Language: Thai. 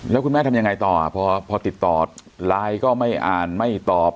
แล้วคุณแม่ทำยังไงต่อพอติดต่อไลน์ก็ไม่อ่านไม่ตอบ